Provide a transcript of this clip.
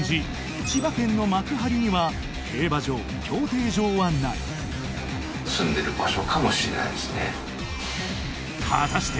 千葉県の幕張には競馬場競艇場はない果たして